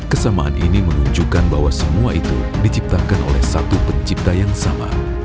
kesamaan ini menunjukkan bahwa semua itu diciptakan oleh satu pencipta yang sama